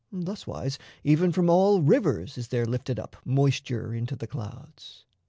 Thuswise, Even from all rivers is there lifted up Moisture into the clouds.